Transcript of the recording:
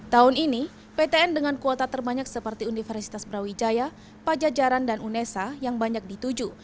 tahun ini ptn dengan kuota terbanyak seperti universitas brawijaya pajajaran dan unesa yang banyak dituju